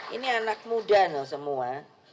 ini anak muda loh semua